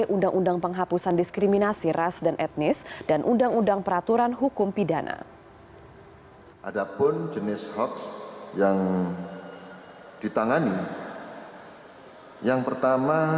undang undang penghapusan diskriminasi ras dan etnis dan undang undang peraturan hukum pidana